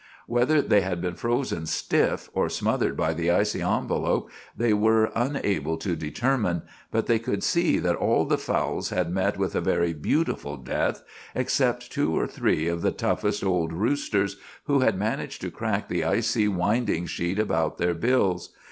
Whether they had been frozen stiff or smothered by the icy envelop, they were unable to determine; but they could see that all the fowls had met with a very beautiful death, except two or three of the toughest old roosters, who had managed to crack the icy winding sheet about their bills.